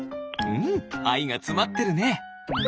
うんあいがつまってるね。